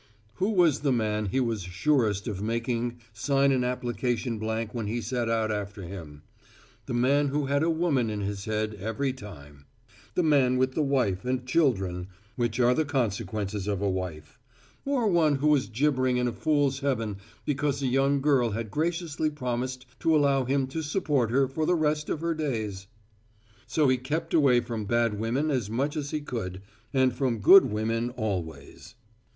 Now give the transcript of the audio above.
Who was the man he was surest of making sign an application blank when he set out after him? The man who had a woman in his head, every time; the man with the wife, and children, which are the consequences of a wife; or one who was gibbering in a fool's heaven because a young girl had graciously promised to allow him to support her for the rest of her days. So he kept away from bad women as much as he could, and from good women always.